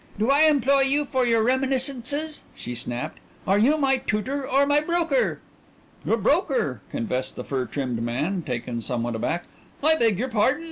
"Do I employ you for your reminiscences?" she snapped. "Are you my tutor or my broker?" "Your broker," confessed the fur trimmed man, taken somewhat aback. "I beg your pardon.